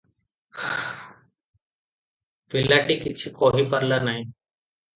ପିଲାଟି କିଛି କହିପାରିଲା ନାହିଁ ।